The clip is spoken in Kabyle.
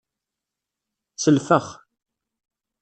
Selfex.